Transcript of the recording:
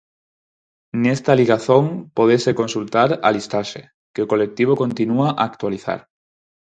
Nesta ligazón pódese consultar a listaxe, que o colectivo continúa a actualizar.